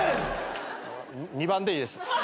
２番でいいです。